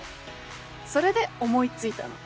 それで思いついたの。